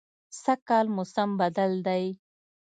سږکال موسم بدل دی